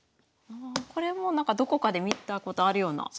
ああこれもなんかどこかで見たことあるような。